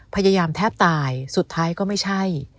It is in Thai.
พยายามแทบตายสุดท้ายก็ไม่ใช่